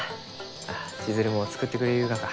あ千鶴も作ってくれゆうがか？